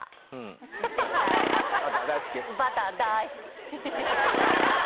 絶対バター大好き？